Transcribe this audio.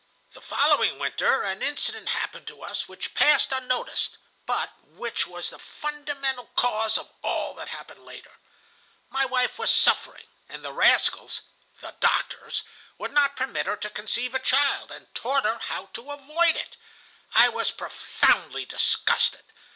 The following winter an incident happened to us which passed unnoticed, but which was the fundamental cause of all that happened later. My wife was suffering, and the rascals (the doctors) would not permit her to conceive a child, and taught her how to avoid it. I was profoundly disgusted.